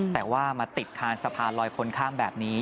แต่ว่ามาติดคานสะพานลอยคนข้ามแบบนี้